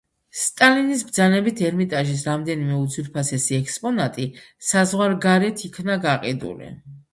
სტალინის ბრძანებით ერმიტაჟის რამდენიმე უძვირფასესი ექსპონატი საზღვარგარეთ იქნა გაყიდული.